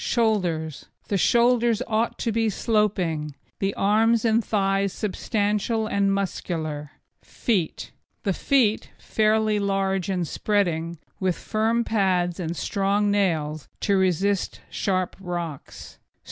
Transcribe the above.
SHOULDERS The shoulders ought to be sloping, the arms and thighs substantial and muscular. FEET The feet, fairly large and spreading, with firm pads and strong nails to resist sharp rocks.